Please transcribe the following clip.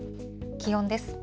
気温です。